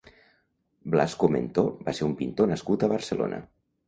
Blasco Mentor va ser un pintor nascut a Barcelona.